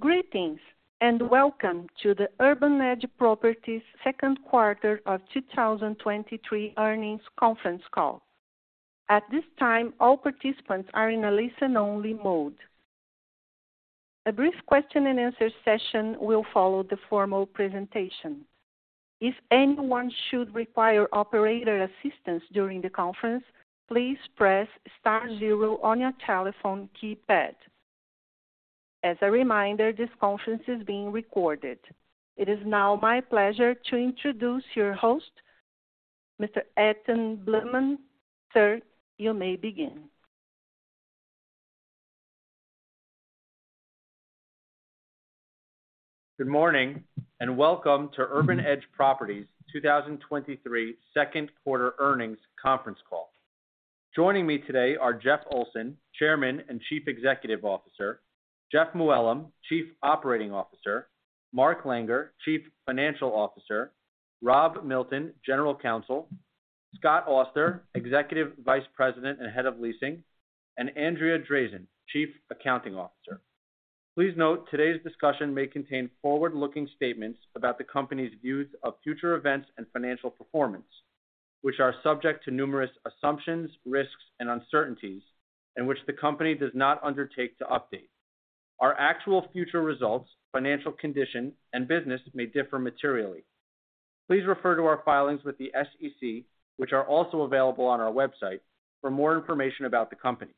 Greetings, welcome to the Urban Edge Properties' second quarter of 2023 earnings conference call. At this time, all participants are in a listen-only mode. A brief question-and-answer session will follow the formal presentation. If anyone should require operator assistance during the conference, please press star zero on your telephone keypad. As a reminder, this conference is being recorded. It is now my pleasure to introduce your host, Mr. Etan Bluman. Sir, you may begin. Good morning. Welcome to Urban Edge Properties' 2023 second quarter earnings conference call. Joining me today are Jeff Olson, Chairman and Chief Executive Officer; Jeffrey Mooallem, Chief Operating Officer; Mark Langer, Chief Financial Officer; Rob Milton, General Counsel; Scott Auster, Executive Vice President and Head of Leasing; and Andrea Drazin, Chief Accounting Officer. Please note, today's discussion may contain forward-looking statements about the company's views of future events and financial performance, which are subject to numerous assumptions, risks, and uncertainties, and which the company does not undertake to update. Our actual future results, financial condition, and business may differ materially. Please refer to our filings with the SEC, which are also available on our website, for more information about the company.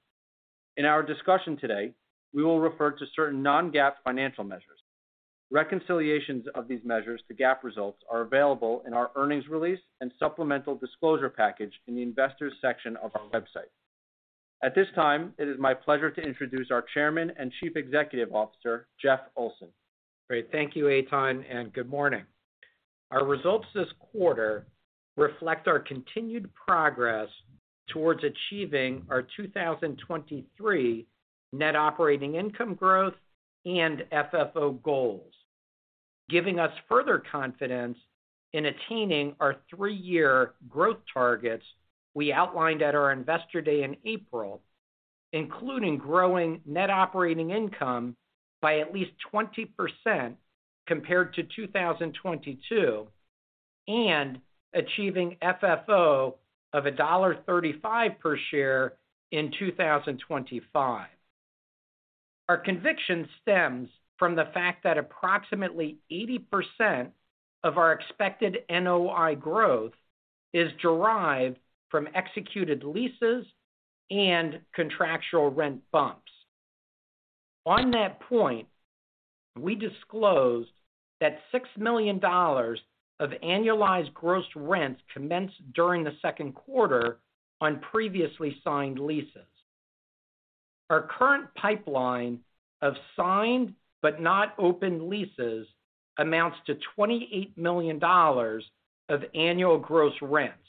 In our discussion today, we will refer to certain non-GAAP financial measures. Reconciliations of these measures to GAAP results are available in our earnings release and supplemental disclosure package in the Investors section of our website. At this time, it is my pleasure to introduce our Chairman and Chief Executive Officer, Jeff Olson. Great. Thank you, Etan, and good morning. Our results this quarter reflect our continued progress towards achieving our 2023 net operating income growth and FFO goals, giving us further confidence in attaining our three-year growth targets we outlined at our Investor Day in April, including growing net operating income by at least 20% compared to 2022, and achieving FFO of $1.35 per share in 2025. Our conviction stems from the fact that approximately 80% of our expected NOI growth is derived from executed leases and contractual rent bumps. On that point, we disclosed that $6 million of annualized gross rents commenced during the second quarter on previously signed leases. Our current pipeline of signed, but not opened leases, amounts to $28 million of annual gross rents,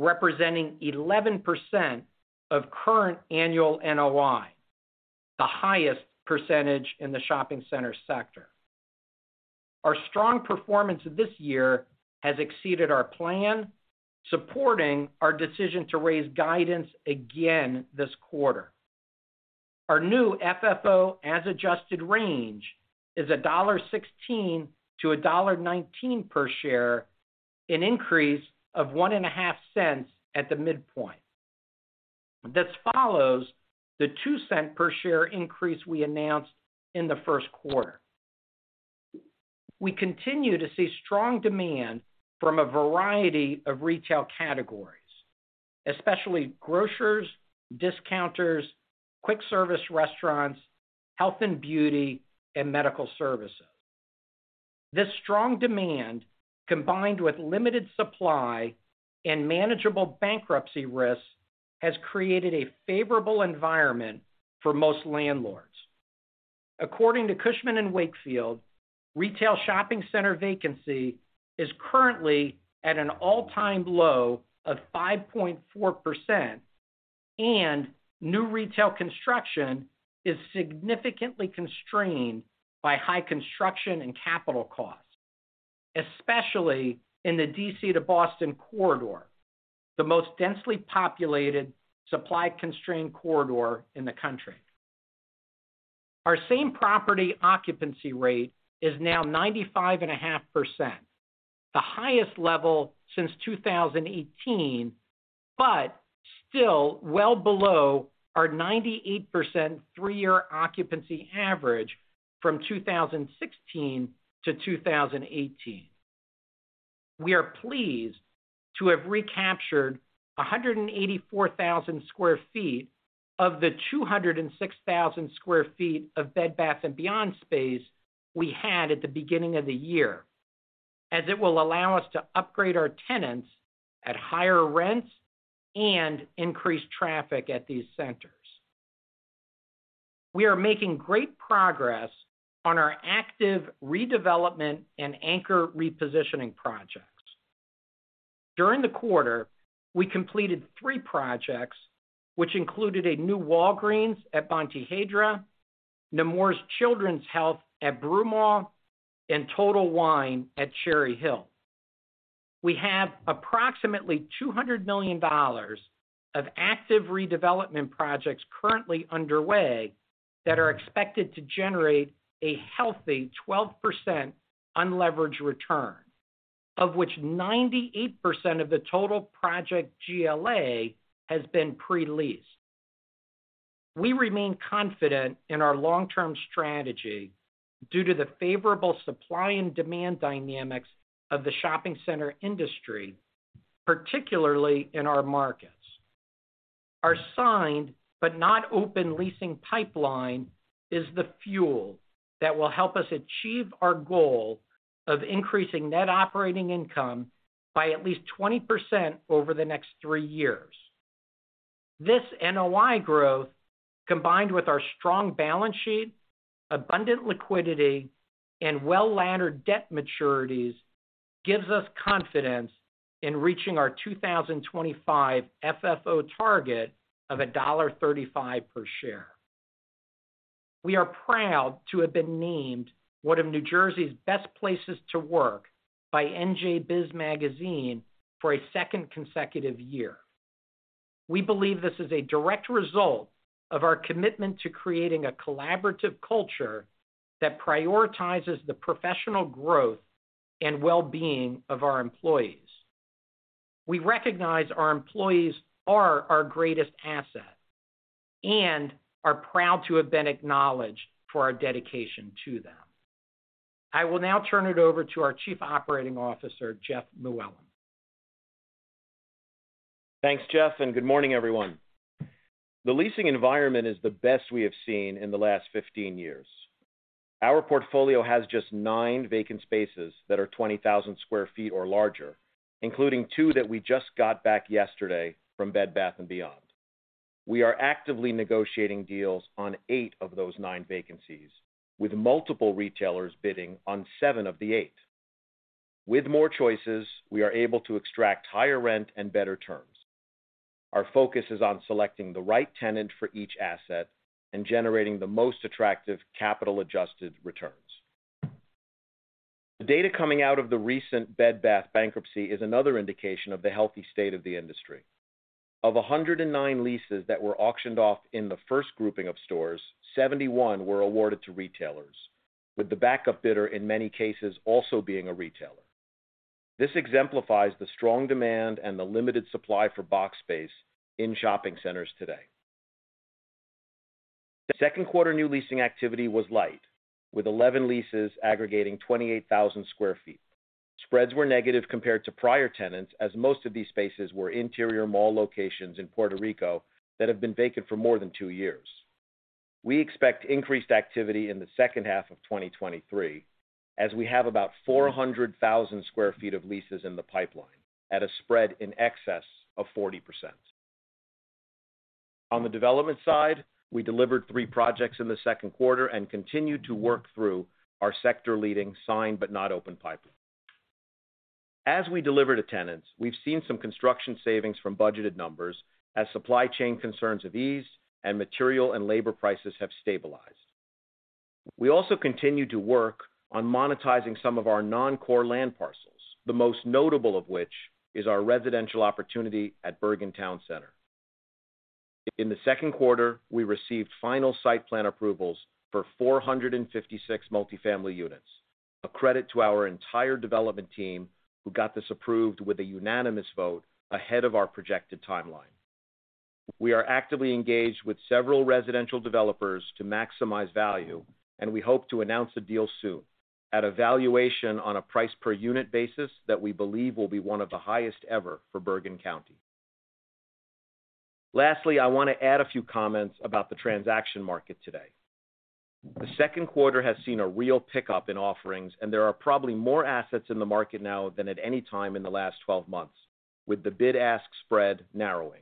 representing 11% of current annual NOI, the highest percentage in the shopping center sector. Our strong performance this year has exceeded our plan, supporting our decision to raise guidance again this quarter. Our new FFO, as adjusted range, is $1.16-$1.19 per share, an increase of $0.015 at the midpoint. This follows the $0.02 per share increase we announced in the first quarter. We continue to see strong demand from a variety of retail categories, especially grocers, discounters, quick service restaurants, health and beauty, and medical services. This strong demand, combined with limited supply and manageable bankruptcy risks, has created a favorable environment for most landlords. According to Cushman & Wakefield, retail shopping center vacancy is currently at an all-time low of 5.4%, new retail construction is significantly constrained by high construction and capital costs, especially in the D.C. to Boston corridor, the most densely populated, supply-constrained corridor in the country. Our same property occupancy rate is now 95.5%, the highest level since 2018, still well below our 98% three-year occupancy average from 2016-2018. We are pleased to have recaptured 184,000 sq ft of the 206,000 sq ft of Bed Bath & Beyond space we had at the beginning of the year, as it will allow us to upgrade our tenants at higher rents and increase traffic at these centers. We are making great progress on our active redevelopment and anchor repositioning projects. During the quarter, we completed three projects, which included a new Walgreens at Montehiedra, Nemours Children's Health at Broomall, and Total Wine at Cherry Hill. We have approximately $200 million of active redevelopment projects currently underway that are expected to generate a healthy 12% unleveraged return, of which 98% of the total project GLA has been pre-leased. We remain confident in our long-term strategy due to the favorable supply and demand dynamics of the shopping center industry, particularly in our markets. Our signed, but not open leasing pipeline, is the fuel that will help us achieve our goal of increasing net operating income by at least 20% over the next 3 years. This NOI growth, combined with our strong balance sheet, abundant liquidity, and well-laddered debt maturities, gives us confidence in reaching our 2025 FFO target of $1.35 per share. We are proud to have been named one of New Jersey's best places to work by NJBIZ Magazine for a second consecutive year. We believe this is a direct result of our commitment to creating a collaborative culture that prioritizes the professional growth and well-being of our employees. We recognize our employees are our greatest asset and are proud to have been acknowledged for our dedication to them. I will now turn it over to our Chief Operating Officer, Jeffrey Mooallem. Thanks, Jeff. Good morning, everyone. The leasing environment is the best we have seen in the last 15 years. Our portfolio has just nine vacant spaces that are 20,000 sq ft or larger, including two that we just got back yesterday from Bed Bath & Beyond. We are actively negotiating deals on eight of those nine vacancies, with multiple retailers bidding on seven of the eight. With more choices, we are able to extract higher rent and better terms. Our focus is on selecting the right tenant for each asset and generating the most attractive capital-adjusted returns. The data coming out of the recent Bed Bath bankruptcy is another indication of the healthy state of the industry. Of 109 leases that were auctioned off in the first grouping of stores, 71 were awarded to retailers, with the backup bidder, in many cases, also being a retailer. This exemplifies the strong demand and the limited supply for box space in shopping centers today. Second quarter new leasing activity was light, with 11 leases aggregating 28,000 sq ft. Spreads were negative compared to prior tenants, as most of these spaces were interior mall locations in Puerto Rico that have been vacant for more than two years. We expect increased activity in the second half of 2023, as we have about 400,000 sq ft of leases in the pipeline at a spread in excess of 40%. On the development side, we delivered three projects in the second quarter and continued to work through our sector-leading signed, but not open pipeline. As we delivered to tenants, we've seen some construction savings from budgeted numbers as supply chain concerns have eased and material and labor prices have stabilized. We also continued to work on monetizing some of our non-core land parcels, the most notable of which is our residential opportunity at Bergen Town Center. In the second quarter, we received final site plan approvals for 456 multifamily units, a credit to our entire development team, who got this approved with a unanimous vote ahead of our projected timeline. We are actively engaged with several residential developers to maximize value, and we hope to announce a deal soon at a valuation on a price per unit basis that we believe will be one of the highest ever for Bergen County. Lastly, I want to add a few comments about the transaction market today. The second quarter has seen a real pickup in offerings, and there are probably more assets in the market now than at any time in the last 12 months, with the bid-ask spread narrowing.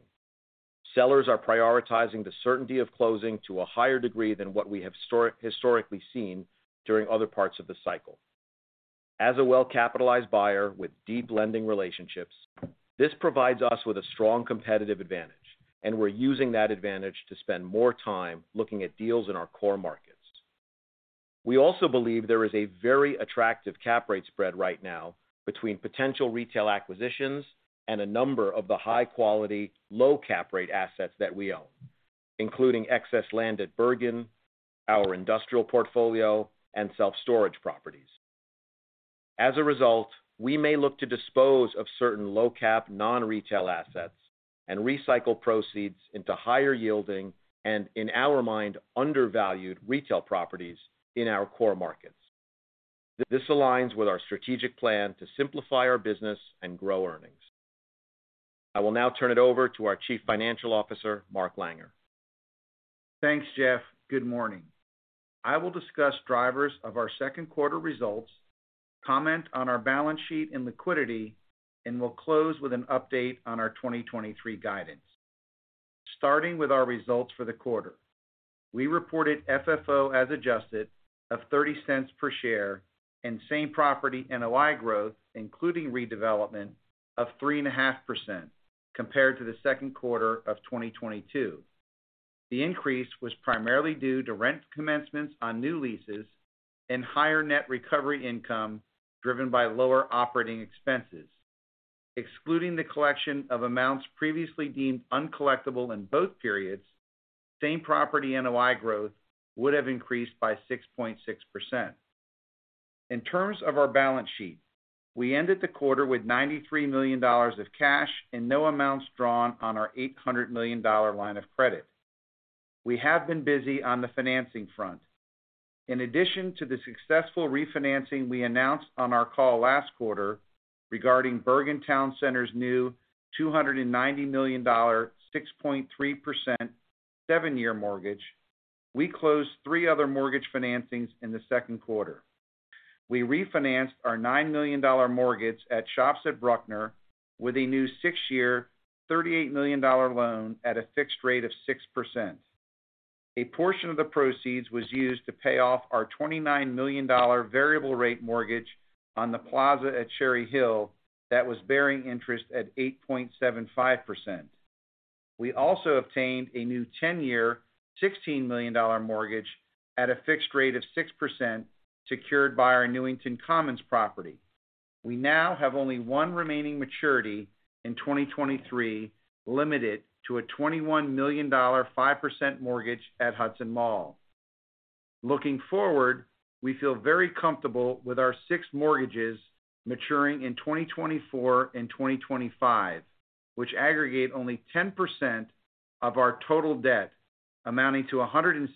Sellers are prioritizing the certainty of closing to a higher degree than what we have historically seen during other parts of the cycle. As a well-capitalized buyer with deep lending relationships, this provides us with a strong competitive advantage, and we're using that advantage to spend more time looking at deals in our core markets. We also believe there is a very attractive cap rate spread right now between potential retail acquisitions and a number of the high-quality, low cap rate assets that we own, including excess land at Bergen, our industrial portfolio, and self-storage properties. As a result, we may look to dispose of certain low-cap, non-retail assets and recycle proceeds into higher yielding and, in our mind, undervalued retail properties in our core markets. This aligns with our strategic plan to simplify our business and grow earnings. I will now turn it over to our Chief Financial Officer, Mark Langer. Thanks, Jeff. Good morning. I will discuss drivers of our second quarter results, comment on our balance sheet and liquidity, and will close with an update on our 2023 guidance. Starting with our results for the quarter, we reported FFO, as adjusted, of $0.30 per share and same-property NOI growth, including redevelopment, of 3.5% compared to the second quarter of 2022. The increase was primarily due to rent commencements on new leases and higher net recovery income, driven by lower operating expenses. Excluding the collection of amounts previously deemed uncollectible in both periods, same-property NOI growth would have increased by 6.6%. In terms of our balance sheet, we ended the quarter with $93 million of cash and no amounts drawn on our $800 million line of credit. We have been busy on the financing front. In addition to the successful refinancing we announced on our call last quarter regarding Bergen Town Center's new $290 million, 6.3%, seven-year mortgage, we closed three other mortgage financings in the second quarter. We refinanced our $9 million mortgage at The Shops at Bruckner, with a new six-year, $38 million loan at a fixed rate of 6%. A portion of the proceeds was used to pay off our $29 million variable rate mortgage on the Plaza at Cherry Hill that was bearing interest at 8.75%. We also obtained a new 10-year, $16 million mortgage at a fixed rate of 6%, secured by our Newington Commons property. We now have only one remaining maturity in 2023, limited to a $21 million, 5% mortgage at Hudson Mall. Looking forward, we feel very comfortable with our 6 mortgages maturing in 2024 and 2025, which aggregate only 10% of our total debt, amounting to $173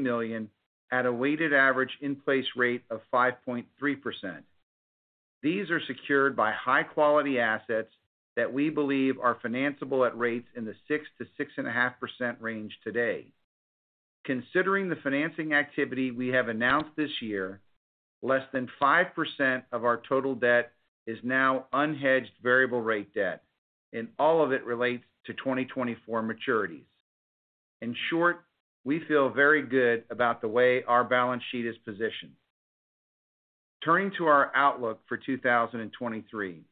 million at a weighted average in-place rate of 5.3%. These are secured by high-quality assets that we believe are financiable at rates in the 6%-6.5% range today. Considering the financing activity we have announced this year, less than 5% of our total debt is now unhedged variable rate debt, and all of it relates to 2024 maturities. In short, we feel very good about the way our balance sheet is positioned. Turning to our outlook for 2023.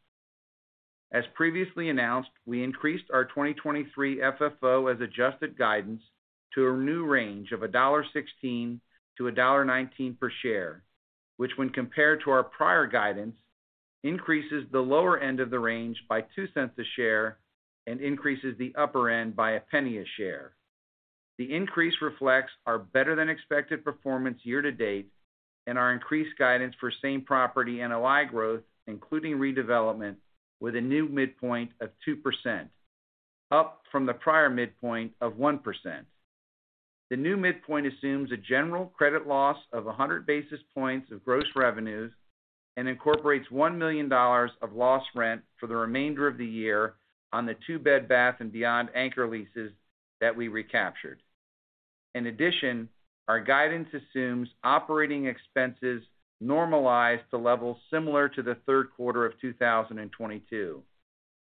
As previously announced, we increased our 2023 FFO, as adjusted guidance to a new range of $1.16-$1.19 per share, which, when compared to our prior guidance, increases the lower end of the range by $0.02 a share and increases the upper end by $0.01 a share. The increase reflects our better-than-expected performance year to date and our increased guidance for same-property NOI growth, including redevelopment, with a new midpoint of 2%, up from the prior midpoint of 1%. The new midpoint assumes a general credit loss of 100 basis points of gross revenues and incorporates $1 million of lost rent for the remainder of the year on the two Bed Bath & Beyond anchor leases that we recaptured. Our guidance assumes operating expenses normalize to levels similar to the third quarter of 2022,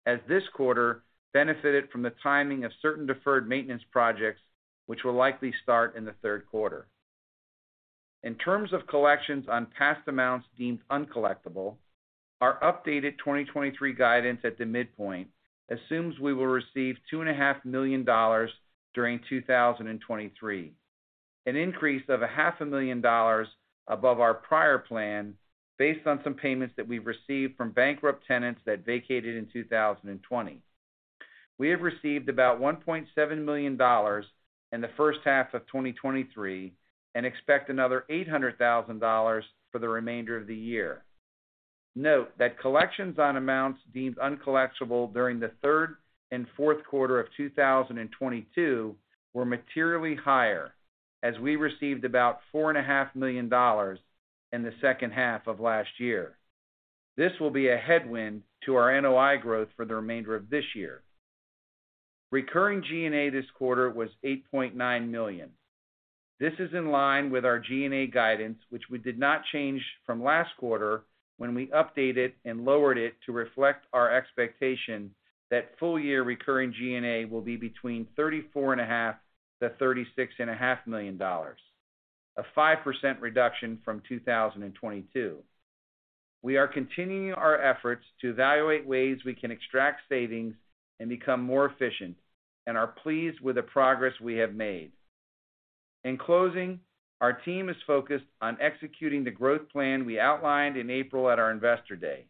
as this quarter benefited from the timing of certain deferred maintenance projects, which will likely start in the third quarter. In terms of collections on past amounts deemed uncollectible, our updated 2023 guidance at the midpoint assumes we will receive $2.5 million during 2023, an increase of $500,000 above our prior plan, based on some payments that we've received from bankrupt tenants that vacated in 2020. We have received about $1.7 million in the first half of 2023 and expect another $800,000 for the remainder of the year. Note that collections on amounts deemed uncollectible during the third and fourth quarter of 2022 were materially higher, as we received about $4.5 million in the second half of last year. This will be a headwind to our NOI growth for the remainder of this year. Recurring G&A this quarter was $8.9 million. This is in line with our G&A guidance, which we did not change from last quarter when we updated and lowered it to reflect our expectation that full-year recurring G&A will be between $34.5 million-$36.5 million, a 5% reduction from 2022. We are continuing our efforts to evaluate ways we can extract savings and become more efficient and are pleased with the progress we have made. In closing, our team is focused on executing the growth plan we outlined in April at our Investor Day.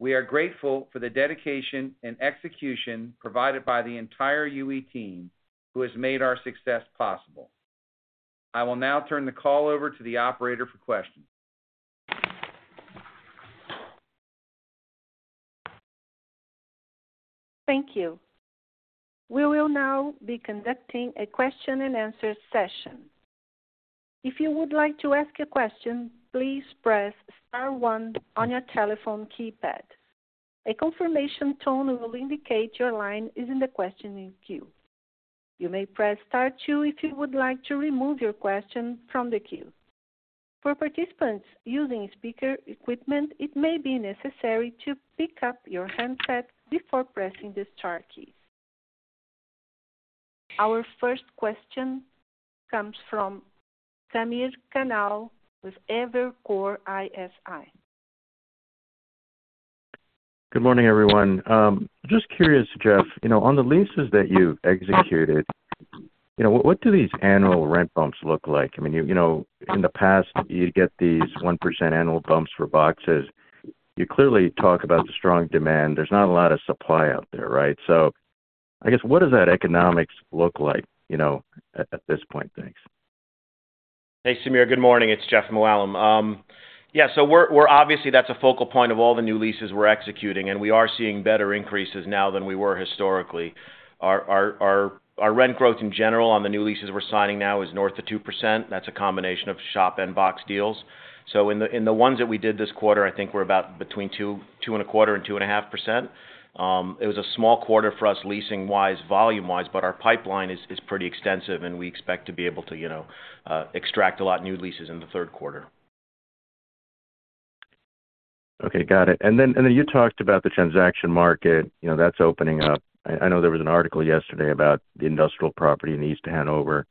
We are grateful for the dedication and execution provided by the entire UE team, who has made our success possible. I will now turn the call over to the operator for questions. Thank you. We will now be conducting a question-and-answer session. If you would like to ask a question, please press star one on your telephone keypad. A confirmation tone will indicate your line is in the questioning queue. You may press star two if you would like to remove your question from the queue. For participants using speaker equipment, it may be necessary to pick up your handset before pressing the star key. Our first question comes from Samir Khanal with Evercore ISI. Good morning, everyone. Just curious, Jeff, you know, on the leases that you've executed, you know, what, what do these annual rent bumps look like? I mean, you know, in the past, you'd get these 1% annual bumps for boxes. You clearly talk about the strong demand. There's not a lot of supply out there, right? I guess, what does that economics look like, you know, at, at this point? Thanks. Thanks, Samir. Good morning. It's Jeffrey Mooallem. Yeah, so we're obviously, that's a focal point of all the new leases we're executing, and we are seeing better increases now than we were historically. Our rent growth in general on the new leases we're signing now is north of 2%. That's a combination of shop and box deals. In the ones that we did this quarter, I think we're about between 2%, 2.25% and 2.5%. It was a small quarter for us, leasing-wise, volume-wise, but our pipeline is pretty extensive, and we expect to be able to, you know, extract a lot of new leases in the third quarter. Okay, got it. You talked about the transaction market, you know, that's opening up. I know there was an article yesterday about the industrial property in East Hanover.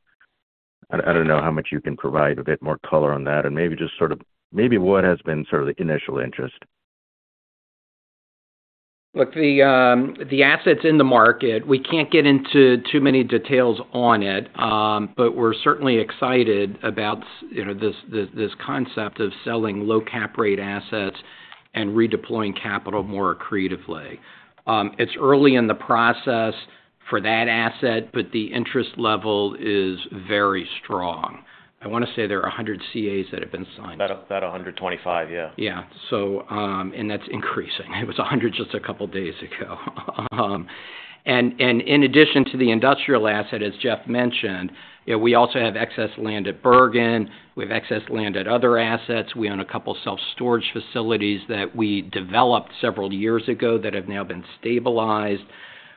I, I don't know how much you can provide a bit more color on that and maybe just sort of, maybe what has been sort of the initial interest? Look, the, the assets in the market, we can't get into too many details on it. We're certainly excited about you know, this, this, this concept of selling low cap rate assets and redeploying capital more creatively. It's early in the process for that asset, but the interest level is very strong. I want to say there are 100 CAs that have been signed. About 125, yeah. Yeah. And that's increasing. It was 100 just a couple of days ago. In addition to the industrial asset, as Jeff mentioned, you know, we also have excess land at Bergen, we have excess land at other assets. We own a couple of self-storage facilities that we developed several years ago that have now been stabilized.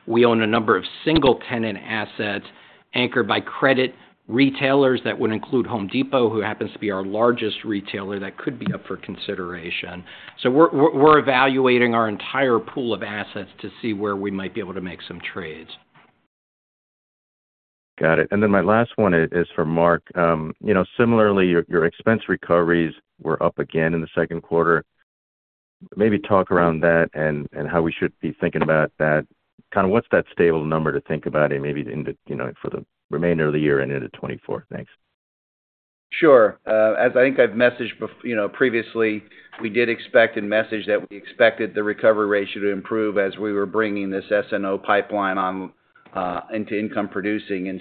We own a number of single-tenant assets anchored by credit retailers that would include Home Depot, who happens to be our largest retailer, that could be up for consideration. We're, we're, we're evaluating our entire pool of assets to see where we might be able to make some trades. Then my last one is, is for Mark. You know, similarly, your, your expense recoveries were up again in the second quarter. Maybe talk around that and, and how we should be thinking about that. Kind of what's that stable number to think about and maybe in the, you know, for the remainder of the year and into 2024. Thanks. Sure. As I think I've messaged, you know, previously, we did expect and message that we expected the recovery ratio to improve as we were bringing this SNO pipeline on into income producing.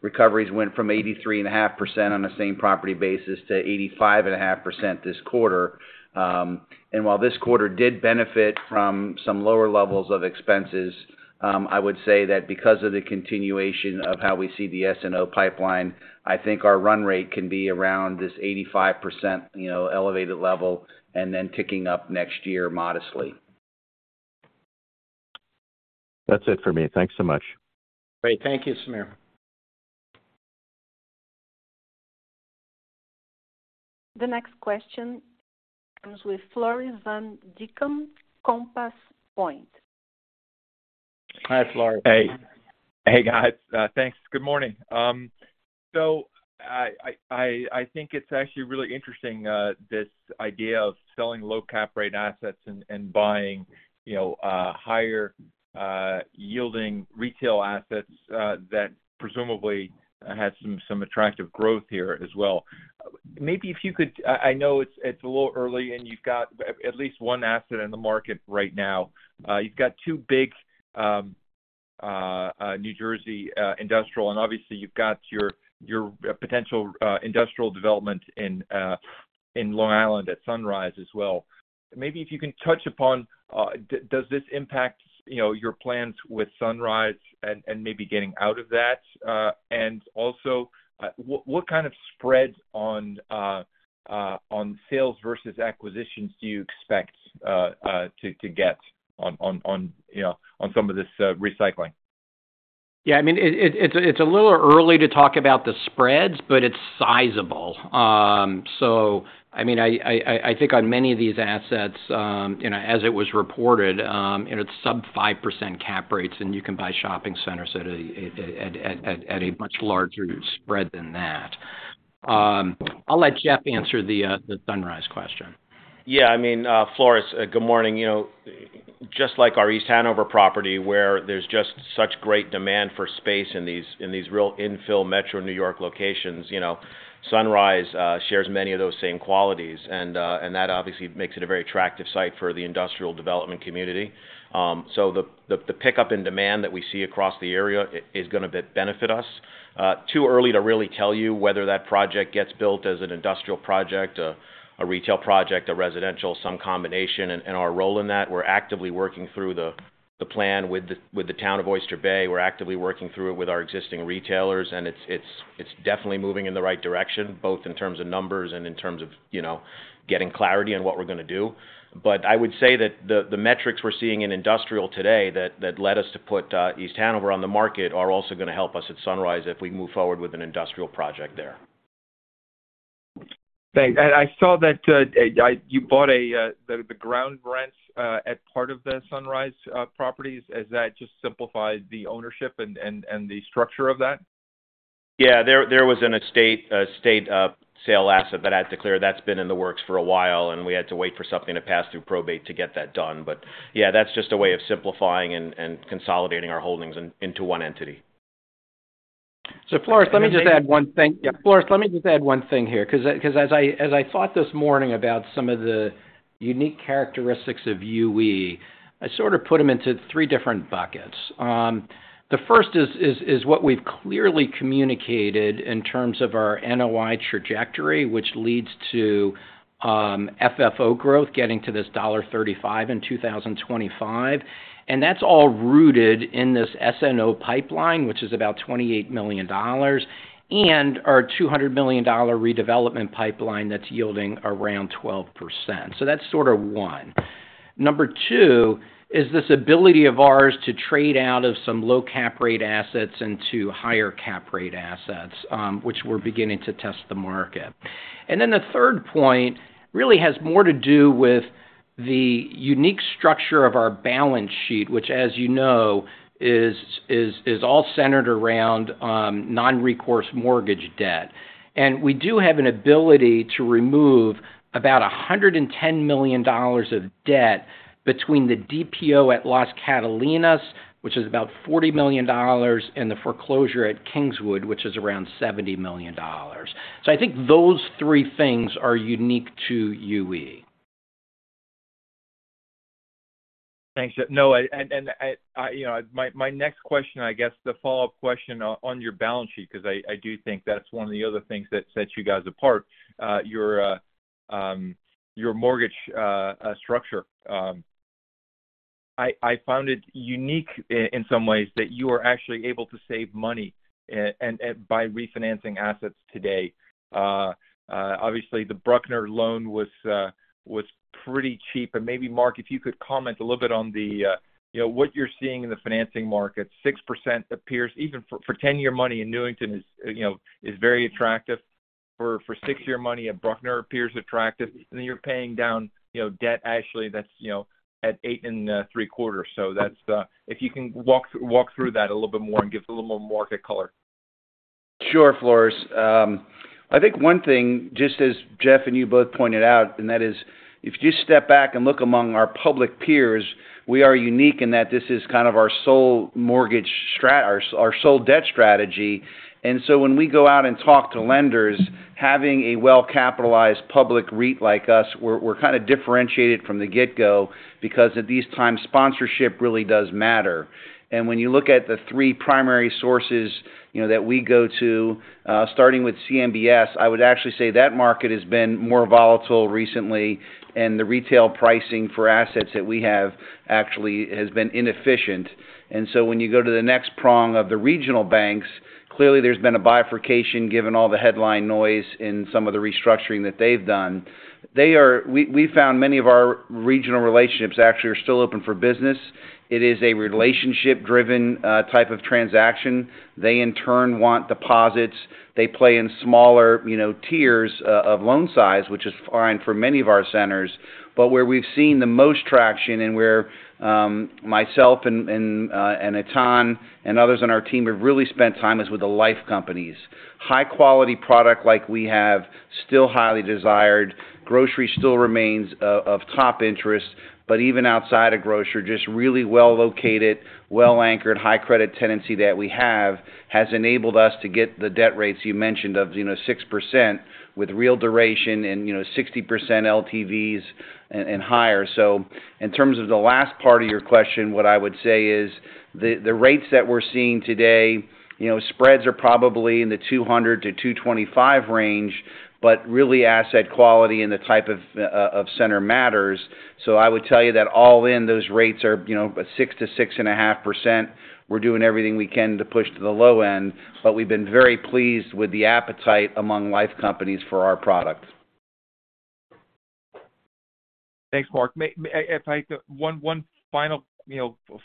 Recoveries went from 83.5% on the same-property basis to 85.5% this quarter. While this quarter did benefit from some lower levels of expenses, I would say that because of the continuation of how we see the SNO pipeline, I think our run rate can be around this 85%, you know, elevated level and then ticking up next year modestly. That's it for me. Thanks so much. Great. Thank you, Samir. The next question comes with Floris van Dijkum, Compass Point. Hi, Floris. Hey, guys. Thanks, good morning. I think it's actually really interesting, this idea of selling low cap rate assets and, and buying, you know, higher yielding retail assets that presumably has some, some attractive growth here as well. Maybe if you could, I know it's, it's a little early, and you've got at least one asset in the market right now. You've got two big New Jersey industrial, and obviously, you've got your potential industrial development in Long Island at Sunrise as well. Maybe if you can touch upon, does this impact, you know, your plans with Sunrise and maybe getting out of that? And also, what kind of spread on sales versus acquisitions do you expect to get on, you know, on some of this recycling? Yeah, I mean, it's a little early to talk about the spreads, but it's sizable. I mean, I think on many of these assets, you know, as it was reported, and it's sub 5% cap rates, and you can buy shopping centers at a much larger spread than that. I'll let Jeff answer the Sunrise question. Yeah, I mean, Floris, good morning. You know, just like our East Hanover property, where there's just such great demand for space in these, in these real infill Metro New York locations, you know, Sunrise shares many of those same qualities, and that obviously makes it a very attractive site for the industrial development community. So the, the, the pickup in demand that we see across the area is gonna benefit us. Too early to really tell you whether that project gets built as an industrial project, a retail project, a residential, some combination, and our role in that. We're actively working through the plan with the town of Oyster Bay. We're actively working through it with our existing retailers, and it's, it's, it's definitely moving in the right direction, both in terms of numbers and in terms of, you know, getting clarity on what we're gonna do. I would say that the, the metrics we're seeing in industrial today that, that led us to put East Hanover on the market, are also going to help us at Sunrise if we move forward with an industrial project there. Thanks. I saw that you bought the ground rents at part of the Sunrise properties. Has that just simplified the ownership and the structure of that? Yeah, they was in a state sale asset that I had to clear. That's been in the works for a while, and we had to wait for something to pass through probate to get that done. Yeah, that's just a way of simplifying and consolidating our holdings into one entity. Floris, let me just add one thing. Yeah, Floris, let me just add one thing here, 'cause as I thought this morning about some of the unique characteristics of UE, I sort of put them into three different buckets. The first is what we've clearly communicated in terms of our NOI trajectory, which leads to FFO growth, getting to this $1.35 in 2025. That's all rooted in this SNO pipeline, which is about $28 million, and our $200 million redevelopment pipeline that's yielding around 12%. That's sort of one. Number two is this ability of ours to trade out of some low cap rate assets into higher cap rate assets, which we're beginning to test the market. The third point really has more to do with the unique structure of our balance sheet, which, as you know, is, is, is all centered around non-recourse mortgage debt. We do have an ability to remove about $110 million of debt between the DPO at Las Catalinas, which is about $40 million, and the foreclosure at Kingswood, which is around $70 million. I think those three things are unique to UE. Thanks. I guess, the follow-up question on your balance sheet, because I do think that's one of the other things that sets you guys apart, your mortgage structure. I found it unique in some ways that you are actually able to save money and by refinancing assets today. Obviously, the Bruckner loan was pretty cheap. Maybe, Mark, if you could comment a little bit on the, you know, what you're seeing in the financing market. 6% appears even for 10-year money in Newington is, you know, is very attractive. For six-year money, at Bruckner appears attractive, and you're paying down, you know, debt actually that's, you know, at 8.75%. That's, if you can walk through that a little bit more and give a little more market color. Sure, Floris. I think one thing, just as Jeff and you both pointed out, and that is, if you step back and look among our public peers, we are unique in that this is kind of our sole mortgage strat-- our, our sole debt strategy. So when we go out and talk to lenders, having a well-capitalized public REIT like us, we're, we're kind of differentiated from the get-go because at these times, sponsorship really does matter. When you look at the three primary sources, you know, that we go to, starting with CMBS, I would actually say that market has been more volatile recently, and the retail pricing for assets that we have actually has been inefficient. When you go to the next prong of the regional banks, clearly there's been a bifurcation, given all the headline noise in some of the restructuring that they've done. We, we found many of our regional relationships actually are still open for business. It is a relationship-driven type of transaction. They, in turn, want deposits. They play in smaller, you know, tiers of loan size, which is fine for many of our centers. Where we've seen the most traction and where myself and, and Etan and others on our team have really spent time is with the life companies. High-quality product like we have, still highly desired. Grocery still remains of top interest, but even outside of grocery, just really well located, well-anchored, high credit tenancy that we have, has enabled us to get the debt rates you mentioned of, you know, 6%, with real duration and, you know, 60% LTVs and higher. In terms of the last part of your question, what I would say is the, the rates that we're seeing today, you know, spreads are probably in the 200-225 range, but really asset quality and the type of center matters. I would tell you that all in those rates are, you know, 6%-6.5%. We're doing everything we can to push to the low end, but we've been very pleased with the appetite among life companies for our product. Thanks, Mark. If I could, one final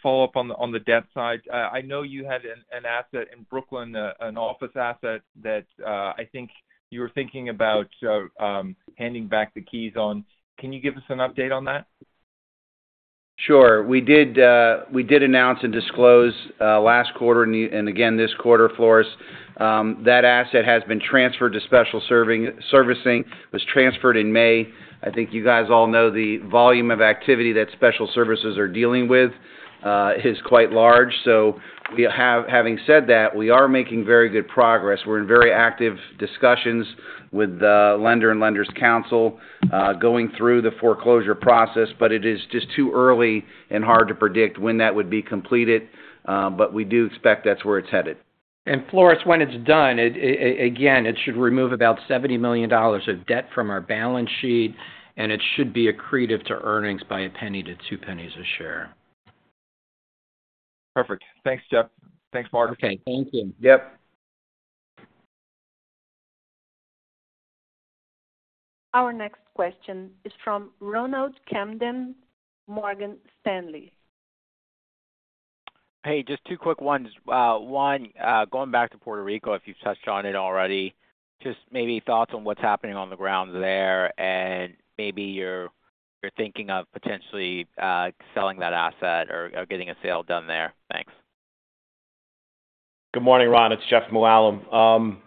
follow-up on the debt side. I know you had an, an asset in Brooklyn, an office asset that, I think you were thinking about handing back the keys on. Can you give us an update on that? Sure. We did announce and disclose, last quarter, again, this quarter, Floris. That asset has been transferred to special servicing. It was transferred in May. I think you guys all know the volume of activity that special services are dealing with, is quite large. Having said that, we are making very good progress. We're in very active discussions with the lender and lenders' council, going through the foreclosure process. It is just too early and hard to predict when that would be completed. We do expect that's where it's headed. Floris, when it's done, it, again, it should remove about $70 million of debt from our balance sheet, and it should be accretive to earnings by $0.01-$0.02 a share. Perfect. Thanks, Jeff. Thanks, Mark. Okay, thank you. Yep. Our next question is from Ronald Kamdem, Morgan Stanley. Hey, just two quick ones. One, going back to Puerto Rico, if you've touched on it already, just maybe thoughts on what's happening on the ground there, and maybe you're thinking of potentially selling that asset or, or getting a sale done there? Thanks. Good morning, Ron. It's Jeffrey Mooallem.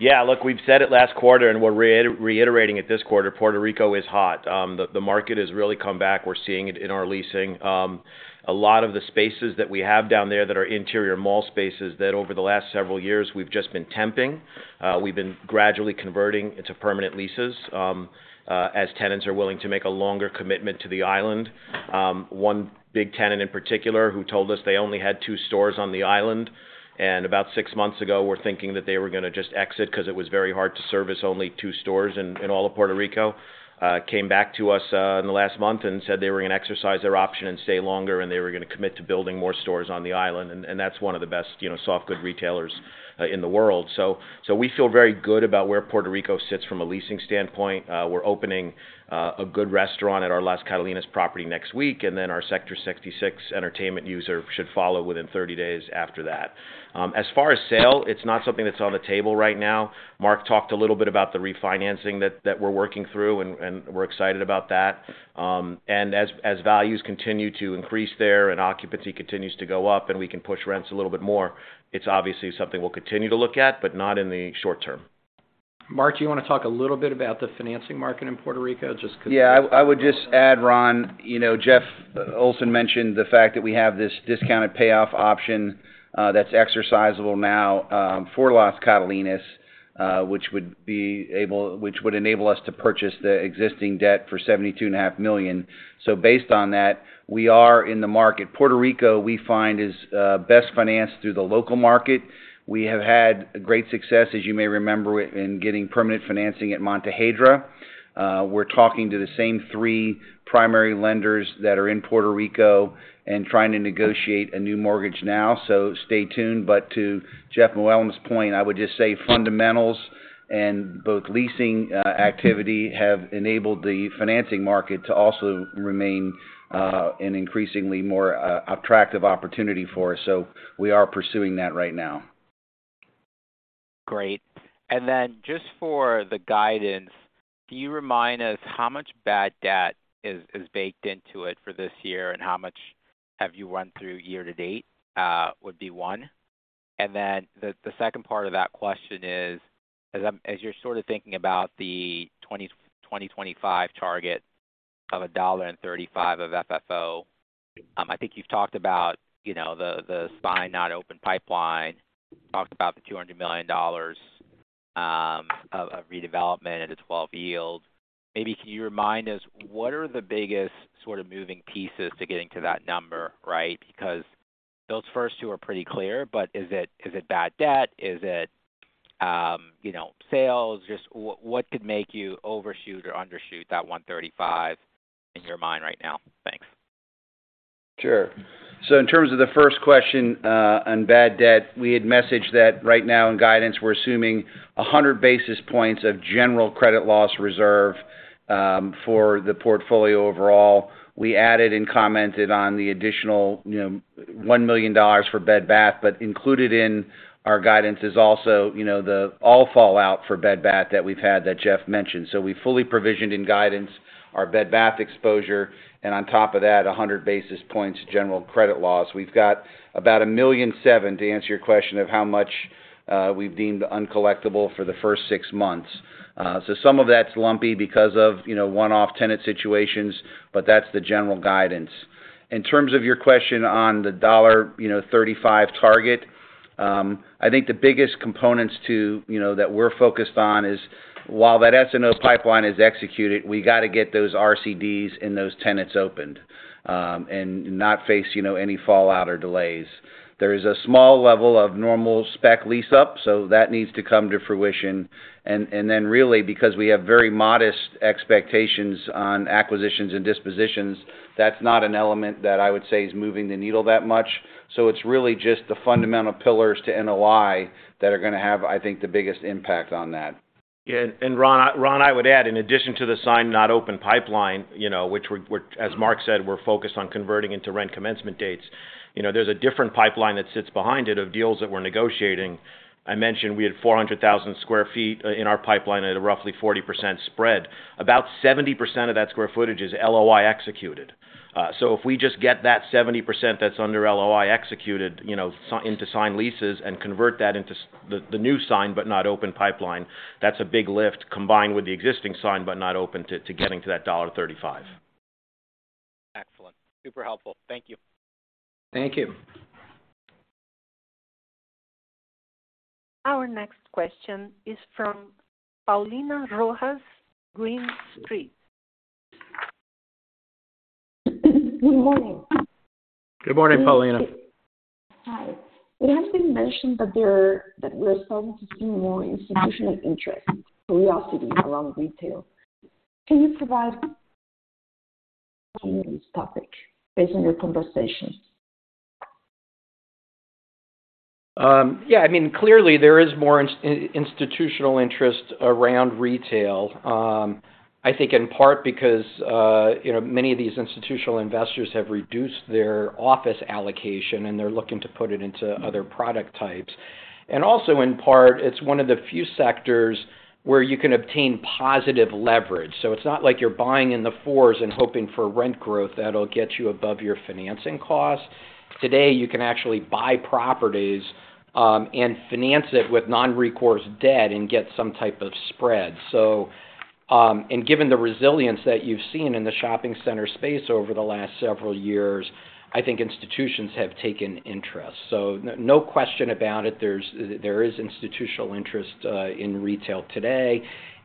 Yeah, look, we've said it last quarter, we're reiterating it this quarter, Puerto Rico is hot. The market has really come back. We're seeing it in our leasing. A lot of the spaces that we have down there that are interior mall spaces, that over the last several years, we've just been temping, we've been gradually converting into permanent leases, as tenants are willing to make a longer commitment to the island. One big tenant in particular, who told us they only had two stores on the island, and about six months ago, were thinking that they were gonna just exit 'cause it was very hard to service only two stores in, in all of Puerto Rico, came back to us in the last month and said they were gonna exercise their option and stay longer, and they were gonna commit to building more stores on the island. And that's one of the best, you know, soft goods retailers in the world. So we feel very good about where Puerto Rico sits from a leasing standpoint. We're opening a good restaurant at our Las Catalinas property next week, and then our Sector 66 entertainment user should follow within 30 days after that. As far as sale, it's not something that's on the table right now. Mark talked a little bit about the refinancing that, that we're working through, and, and we're excited about that. As, as values continue to increase there and occupancy continues to go up, and we can push rents a little bit more, it's obviously something we'll continue to look at, but not in the short term. Mark, do you wanna talk a little bit about the financing market in Puerto Rico? Just because- Yeah, I would just add, Ron, you know, Jeff Olson mentioned the fact that we have this discounted payoff option, that's exercisable now, for Las Catalinas, which would enable us to purchase the existing debt for $72.5 million. Based on that, we are in the market. Puerto Rico, we find, is best financed through the local market. We have had great success, as you may remember, in getting permanent financing at Montehiedra. We're talking to the same three primary lenders that are in Puerto Rico and trying to negotiate a new mortgage now. Stay tuned. To Jeffrey Mooallem's point, I would just say fundamentals and both leasing activity, have enabled the financing market to also remain an increasingly more attractive opportunity for us. We are pursuing that right now. Great. Then just for the guidance, can you remind us how much bad debt is, is baked into it for this year, and how much have you run through year to date? would be one. Then, the second part of that question is, as you're sort of thinking about the 2025 target of $1.35 of FFO, I think you've talked about, you know, the signed, not open pipeline. You talked about the $200 million of redevelopment and the 12 yield. Maybe can you remind us, what are the biggest sort of moving pieces to getting to that number, right? Because those first two are pretty clear, but is it bad debt? Is it, you know, sales? Just what could make you overshoot or undershoot that 135 in your mind right now? Thanks. Sure. In terms of the first question, on bad debt, we had messaged that right now in guidance, we're assuming 100 basis points of general credit loss reserve for the portfolio overall. We added and commented on the additional, you know, $1 million for Bed Bath, but included in our guidance is also, you know, the all fallout for Bed Bath that we've had, that Jeff mentioned. We fully provisioned in guidance, our Bed Bath exposure, and on top of that, 100 basis points, general credit loss. We've got about $1.7 million, to answer your question, of how much we've deemed uncollectible for the first six months. Some of that's lumpy because of, you know, one-off tenant situations, but that's the general guidance. In terms of your question on the dollar, you know, $35 target, I think the biggest components to, you know, that we're focused on is while that SNO pipeline is executed, we got to get those RCDs and those tenants opened, and not face, you know, any fallout or delays. That needs to come to fruition. Then really, because we have very modest expectations on acquisitions and dispositions, that's not an element that I would say is moving the needle that much. It's really just the fundamental pillars to NOI that are gonna have, I think, the biggest impact on that. Ron, I would add, in addition to the signed, but not open pipeline, you know, which we're as Mark said, we're focused on converting into rent commencement dates. You know, there's a different pipeline that sits behind it, of deals that we're negotiating. I mentioned we had 400,000 sq ft in our pipeline at a roughly 40% spread. About 70% of that square footage is LOI executed. If we just get that 70% that's under LOI executed, you know, into signed leases and convert that into the new signed, but not open pipeline, that's a big lift, combined with the existing signed, but not open, to getting to that $1.35. Excellent. Super helpful. Thank you. Thank you. Our next question is from Paulina Rojas, Green Street. Good morning. Good morning, Paulina. Hi. It has been mentioned that we're starting to see more institutional interest, curiosity around retail. Can you provide on this topic, based on your conversations? Yeah, I mean, clearly there is more institutional interest around retail. I think in part because, you know, many of these institutional investors have reduced their office allocation, and they're looking to put it into other product types. Also, in part, it's one of the few sectors where you can obtain positive leverage. It's not like you're buying in the fours and hoping for rent growth that'll get you above your financing costs. Today, you can actually buy properties and finance it with non-recourse debt and get some type of spread. Given the resilience that you've seen in the shopping center space over the last several years, I think institutions have taken interest. No, no question about it, there's, there is institutional interest in retail today,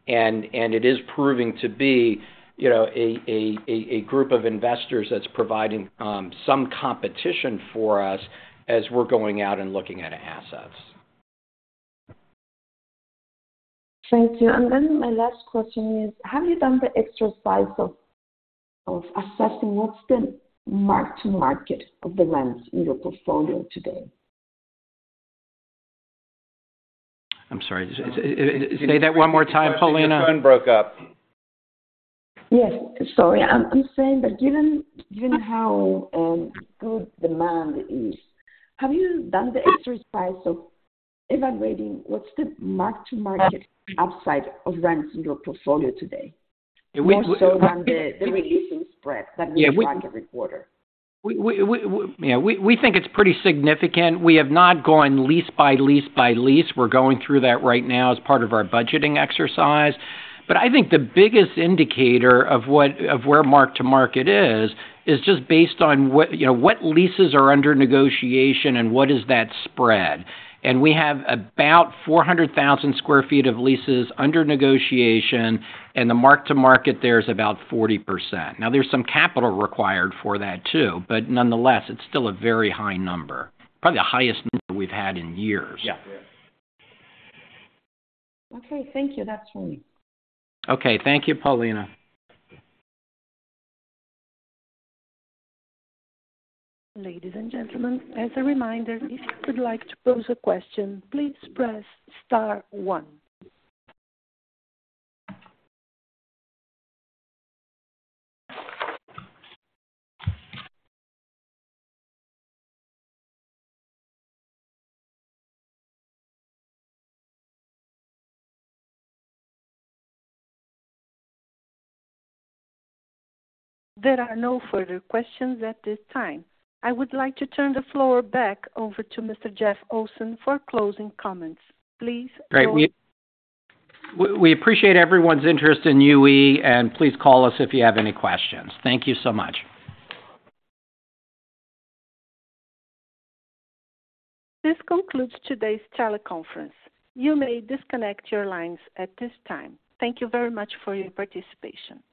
and, and it is proving to be, you know, a group of investors that's providing some competition for us as we're going out and looking at assets. Thank you. Then my last question is, have you done the exercise of assessing what's the mark-to-market of the rents in your portfolio today? I'm sorry. Say that one more time, Paulina? The phone broke up. Yes. Sorry. I'm just saying that given, given how good demand is, have you done the exercise of evaluating what's the mark-to-market upside of rents in your portfolio today? More so than the releasing spread that we track every quarter. We think it's pretty significant. We have not gone lease by lease by lease. We're going through that right now as part of our budgeting exercise. I think the biggest indicator of what of where mark-to-market is, is just based on what, you know, what leases are under negotiation and what is that spread. We have about 400,000 sq ft of leases under negotiation, and the mark-to-market there is about 40%. Now, there's some capital required for that, too, but nonetheless, it's still a very high number. Probably the highest number we've had in years. Yeah. Okay, thank you. That's all. Okay. Thank you, Paulina. Ladies and gentlemen, as a reminder, if you would like to pose a question, please press star one. There are no further questions at this time. I would like to turn the floor back over to Mr. Jeff Olson for closing comments. Great. We appreciate everyone's interest in UE. Please call us if you have any questions. Thank you so much. This concludes today's teleconference. You may disconnect your lines at this time. Thank you very much for your participation.